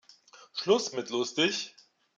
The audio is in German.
Schluß mit lustig.